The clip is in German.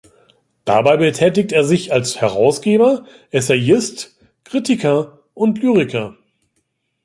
Dabei betätigt er sich als Herausgeber, Essayist, Kritiker und Lyriker.